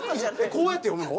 こうやって読むの？